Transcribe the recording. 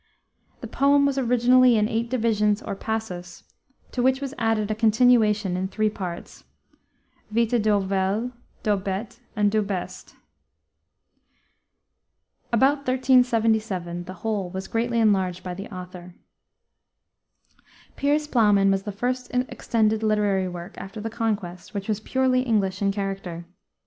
The poem was originally in eight divisions or "passus," to which was added a continuation in three parts, Vita Do Wel, Do Bet, and Do Best. About 1377 the whole was greatly enlarged by the author. Piers Plowman was the first extended literary work after the Conquest which was purely English in character.